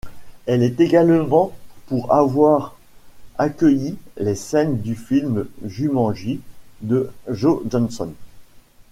Elle l'est également pour avoir accueilli les scènes du film Jumanji de Joe Johnston.